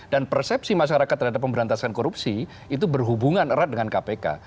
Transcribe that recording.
dan persepsi masyarakat terhadap pemberantasan korupsi itu berhubungan erat dengan kpk